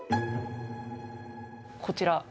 こちら。